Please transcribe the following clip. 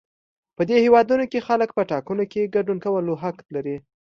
په دې هېوادونو کې خلک په ټاکنو کې ګډون کولو حق لري.